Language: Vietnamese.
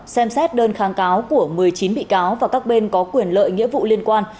xem xét đơn kháng cáo của một mươi chín bị cáo và các bên có quyền lợi nghĩa vụ liên quan